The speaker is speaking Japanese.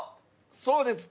そうです。